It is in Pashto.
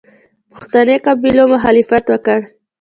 پښتني قبایلو مخالفت وکړ.